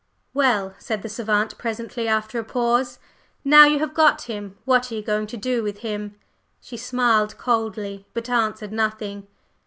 "Well," said the savant presently, after a pause: "Now you have got him, what are you going to do with him?" She smiled coldly, but answered nothing.